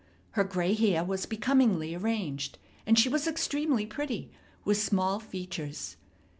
Her gray hair was becomingly arranged, and she was extremely pretty, with small features.